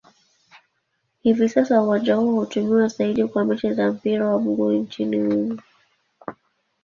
Hivi sasa uwanja huu hutumiwa zaidi kwa mechi za mpira wa miguu nchini humo.